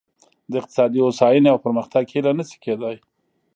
د اقتصادي هوساینې او پرمختګ هیله نه شي کېدای.